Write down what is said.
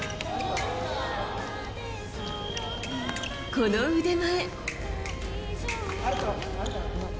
この腕前！